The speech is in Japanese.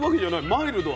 マイルド。